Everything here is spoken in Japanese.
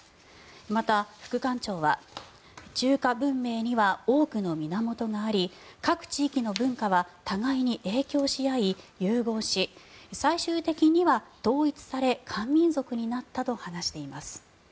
また副館長は、中華文明には多くの源があり各地域の文化は互いに影響し合い、融合し最終的には統一され、漢民族になったと話しています。